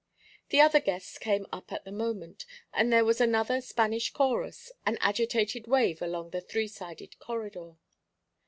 The other guests came up at the moment, and there was another Spanish chorus, an agitated wave along the three sided corridor.